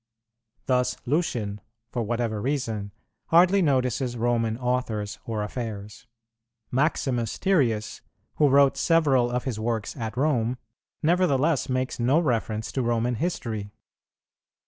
Thus Lucian, for whatever reason, hardly notices Roman authors or affairs.[115:1] Maximus Tyrius, who wrote several of his works at Rome, nevertheless makes no reference to Roman history.